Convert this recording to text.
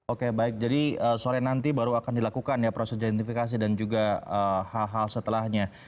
oke baik jadi sore nanti baru akan dilakukan ya proses identifikasi dan juga hal hal setelahnya